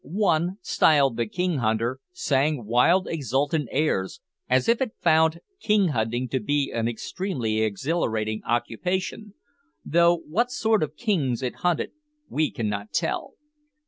One, styled the "king hunter," sang wild exultant airs, as if it found king hunting to be an extremely exhilarating occupation, though what sort of kings it hunted we cannot tell.